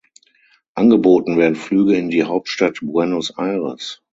Angeboten werden Flüge in die Hauptstadt Buenos Aires.